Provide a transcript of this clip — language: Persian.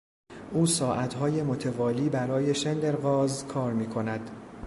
او ساعتهای متوالی برای شندرغاز کار میکند.